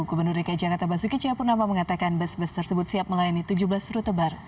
kepenudrika jakarta basuki cia purnama mengatakan bus bus tersebut siap melayani tujuh belas rute baru